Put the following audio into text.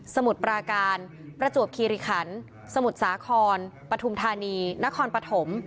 มุดปราการประจวบคีริขันสมุทรสาครปฐุมธานีนครปฐม